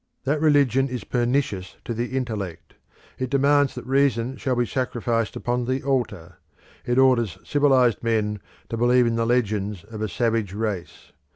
That religion is pernicious to the intellect; it demands that the reason shall be sacrificed upon the altar; it orders civilised men to believe in the legends of a savage race.